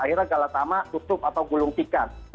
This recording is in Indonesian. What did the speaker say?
akhirnya galatama tutup atau gulung tikar